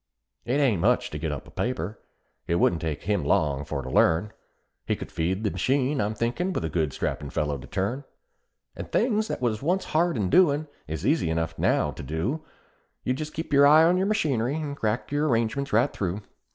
"It ain't much to get up a paper it wouldn't take him long for to learn; He could feed the machine, I'm thinkin', with a good strappin' fellow to turn. And things that was once hard in doin', is easy enough now to do; Just keep your eye on your machinery, and crack your arrangements right through.